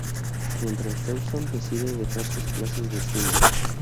Mientras, Dawson decide dejar sus clases de cine.